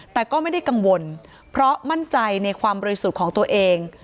แต่ก็ไม่ได้กังวลเพราะมั่นใจในความบริสุทธิ์ของตัวเอง